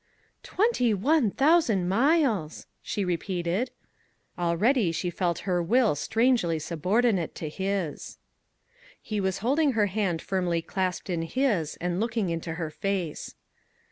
"Twenty one thousand miles," she repeated; already she felt her will strangely subordinate to his. He was holding her hand firmly clasped in his and looking into her face.